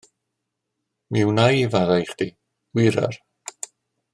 Mi wna i faddau i chdi, wir yr